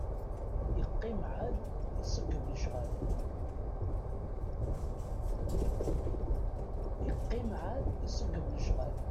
Iqqim ɛad iseggeb lecɣal.